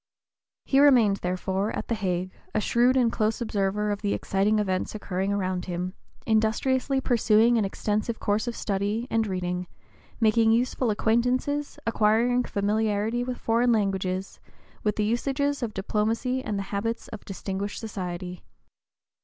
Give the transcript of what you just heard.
He remained, therefore, at the Hague, a shrewd and close observer of the exciting events occurring around him, industriously pursuing an extensive course of study and reading, making useful acquaintances, acquiring familiarity with foreign languages, with the usages of diplomacy and the habits of distinguished society.